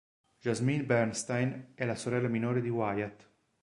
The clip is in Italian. Jasmine Bernstein è la sorella minore di Wyatt.